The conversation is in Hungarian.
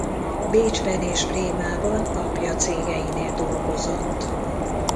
Bécsben és Brémában apja cégeinél dolgozott.